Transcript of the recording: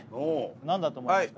何だと思いますか？